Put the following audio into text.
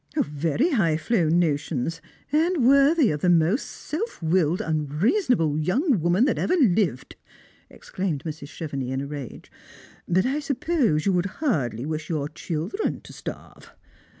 " Very high flown notions, and worthy of the most self willed unreasonable young woman that ever lived," exclaimed Mrs. Chevenix in a rage. " But I suppose you would hardly wish your children to starve.